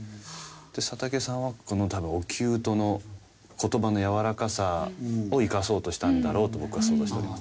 佐竹さんはこの多分おきゅうとの言葉のやわらかさを生かそうとしたんだろうと僕は想像しております。